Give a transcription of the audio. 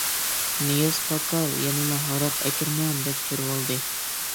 نىياز پاكار يەنىلا ھاراق ئەكىرىمەن دەپ تۇرۇۋالدى.